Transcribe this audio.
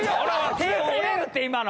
手折れるって今の。